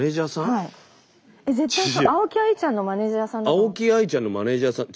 青木愛ちゃんのマネージャーさん。